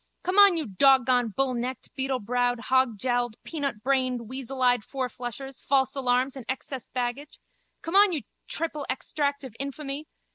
Come on, you dog gone, bullnecked, beetlebrowed, hogjowled, peanutbrained, weaseleyed fourflushers, false alarms and excess baggage! Come on, you triple extract of infamy!